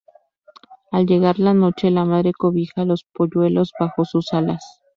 Al llegar la noche la madre cobija a los polluelos bajo sus alas.